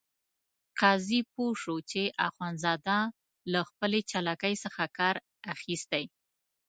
قاضي پوه شو چې اخندزاده له خپلې چالاکۍ څخه کار اخیستی.